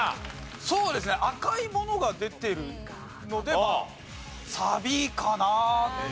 そうですね赤いものが出てるのでまあサビかなって。